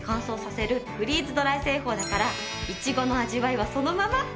フリーズドライ製法だからいちごの味わいはそのまま！